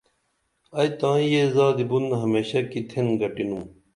ائی تائیں یہ زادی بُن ہمیشہ کی تھین گٹِنُم